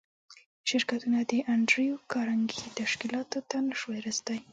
شرکتونه د انډریو کارنګي تشکیلاتو ته نشوای رسېدای